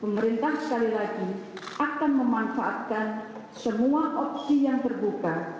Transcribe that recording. pemerintah sekali lagi akan memanfaatkan semua opsi yang terbuka